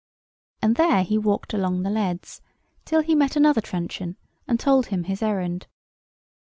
And there he walked along the leads, till he met another truncheon, and told him his errand.